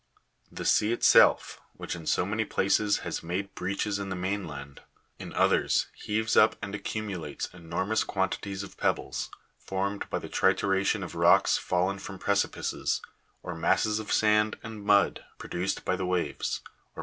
The sea itself, which in so many places has made breaches in the main land, in others, heaves up and accumulates enormous quantities of pebbles, formed by the trituration of rocks fallen from precipices, or masses of sand and mud produced by the waves, or 26.